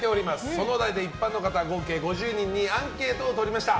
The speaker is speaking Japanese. そのお題で、一般の方合計５０人にアンケートをとりました。